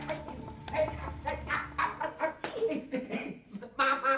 bini udah mau ditembak